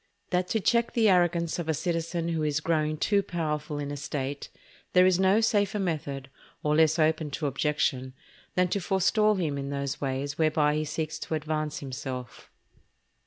—_That to check the arrogance of a Citizen who is growing too powerful in a State, there is no safer Method, or less open to objection, than to forestall him in those Ways whereby he seeks to advance himself_.